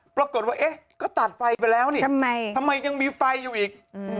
ปรากฏว่าก็ตัดไฟไปแล้วทำไมยังมีไฟอยู่อีก